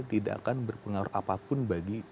tidak akan berpengaruh apapun bagi